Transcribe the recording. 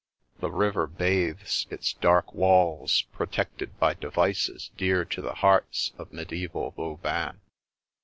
The river bathes its dark walls, protected by devices dear to the hearts of mediaeval Vaubans.